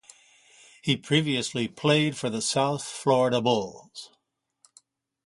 He previously played for the South Florida Bulls.